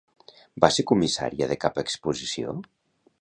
Va ser comissaria de cap exposició?